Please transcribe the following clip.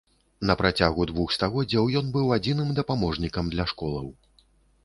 На працягу двух стагоддзяў ён быў адзіным дапаможнікам для школаў.